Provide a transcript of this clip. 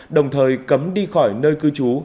đồng thời cấm đi khỏi nơi cư trú